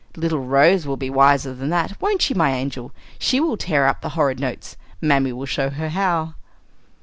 Little Rose will be wiser than that; won't you, my angel? She will tear up the horrid notes mammy will show her how!"